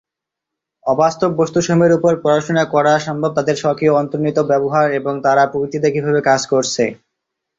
অবাস্তব বস্তু সমূহের উপর পড়াশুনা করা সম্ভব তাদের স্বকীয় অন্তর্নিহিত ব্যবহার এবং তারা প্রকৃতিতে কীভাবে কাজ করছে।